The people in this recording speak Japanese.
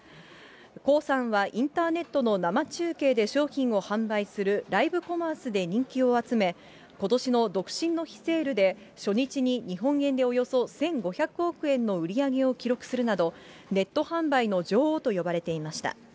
黄さんは、インターネットの生中継で商品を販売するライブコマースで人気を集め、ことしの独身の日セールで、初日に日本円でおよそ１５００億円の売り上げを記録するなど、ネット販売の女王と呼ばれていました。